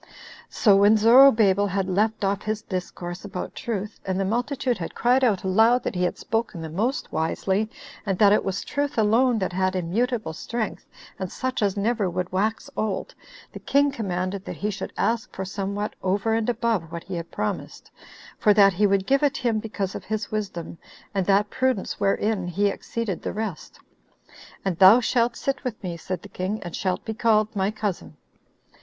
5 7. So when Zorobabel had left off his discourse about truth, and the multitude had cried out aloud that he had spoken the most wisely, and that it was truth alone that had immutable strength, and such as never would wax old, the king commanded that he should ask for somewhat over and above what he had promised, for that he would give it him because of his wisdom, and that prudence wherein he exceeded the rest; "and thou shalt sit with me," said the king, "and shalt be called my cousin."